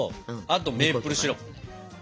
あとメープルシロップ。